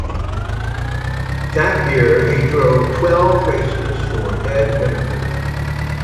That year, he drove twelve races for Ed Whitaker.